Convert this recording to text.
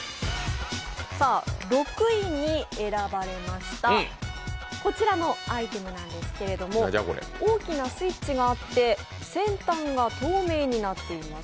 ６位に選ばれました、こちらのアイテムなんですけれども大きなスイッチがあって、先端が透明になっています。